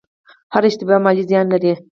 هره اشتباه مالي زیان لري.